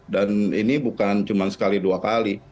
dan ini bukan cuma sekali dua kali